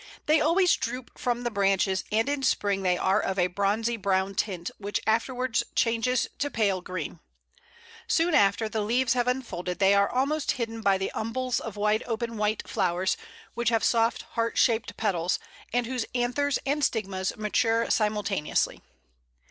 They always droop from the branches, and in spring they are of a bronzy brown tint, which afterwards changes to pale green. Soon after the leaves have unfolded they are almost hidden by the umbels of wide open white flowers, which have soft, heart shaped petals, and whose anthers and stigmas mature simultaneously.